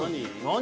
何？